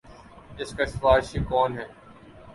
اس کا سفارشی کون ہے۔